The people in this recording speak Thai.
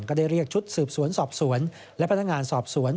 ได้เรียกชุดสืบสวนสอบสวนและพนักงานสอบสวน